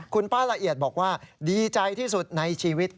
คุณป้าละเอียดบอกว่าดีใจที่สุดในชีวิต